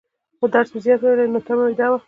خو درس مې زيات وويلى وو، نو تمه مې دا وه.